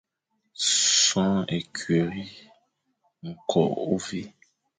Son ékuri, ñko, ôvè,